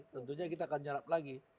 tentunya kita akan jawab lagi